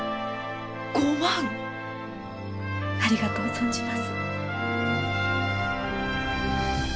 ありがとう存じます。